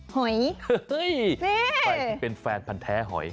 หอยใครเป็นแฟนพันธ์แท้หอย